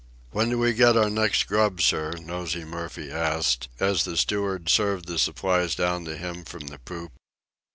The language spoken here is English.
"When do we get our next grub, sir?" Nosey Murphy asked, as the steward served the supplies down to him from the poop.